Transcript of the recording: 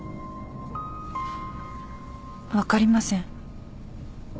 分かりません。